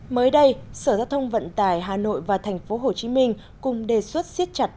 mới đây sở giao thông vận tải hà nội và tp hcm cùng đề xuất siết chặt